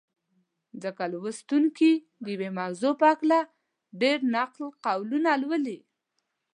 ځکه لوستونکي د یوې موضوع په هکله ډېر نقل قولونه لولي.